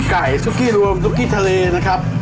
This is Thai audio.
ซุกกี้รวมซุกกี้ทะเลนะครับ